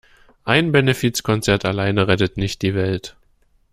Ein Benefizkonzert alleine rettet nicht die Welt.